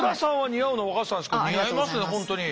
似合いますね本当に。